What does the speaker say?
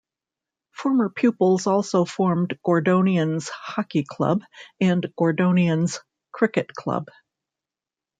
Former pupils also formed Gordonians Hockey Club and Gordonians Cricket Club.